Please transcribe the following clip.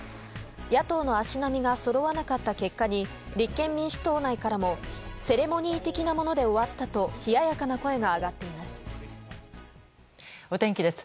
野党の足並みがそろわなかった結果に立憲民主党内からもセレモニー的なもので終わったと冷ややかな声が上がっています。